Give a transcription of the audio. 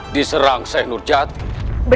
tapi nanti akhirnya baru beda